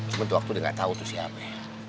cuma waktu udah gak tau itu siapa